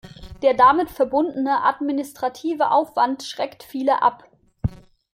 Der damit verbundene administrative Aufwand schreckt viele ab.